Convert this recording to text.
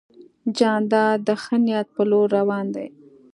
جانداد د ښه نیت په لور روان دی.